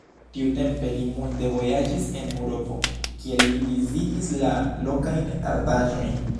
Tiutempe li multe vojaĝis en Eŭropo, kie li vizitis la lokajn artaĵojn.